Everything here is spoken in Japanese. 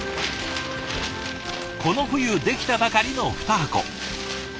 この冬出来たばかりの２箱。